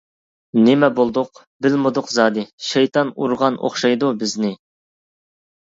نېمە بولدۇق، بىلمىدۇق زادى، شەيتان ئۇرغان ئوخشايدۇ بىزنى.